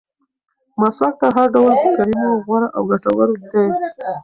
مسواک تر هر ډول کریمو غوره او ګټور دی.